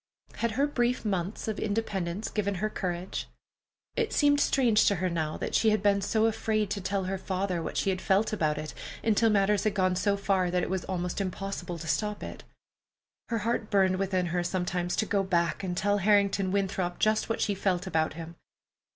Had her brief months of independence given her courage? It seemed strange to her now that she had been so afraid to tell her father what she felt about it until matters had gone so far that it was almost impossible to stop it. Her heart burned within her sometimes to go back and tell Harrington Winthrop just what she felt about him.